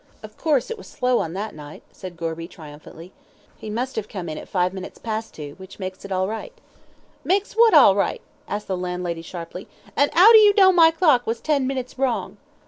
"Of course it was slow on that night," said Gorby, triumphantly. "He must have come in at five minutes past two which makes it right." "Makes what right?" asked the landlady, sharply. "And 'ow do you know my clock was ten minutes wrong?"